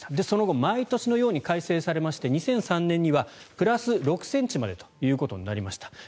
その後、毎年のように改正されまして２００３年にはプラス６ｃｍまでということになりました。